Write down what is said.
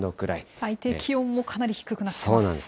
最低気温もかなり低くなってます。